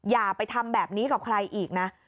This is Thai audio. อย่าไปทำแบบนี้กับใครอีกนะ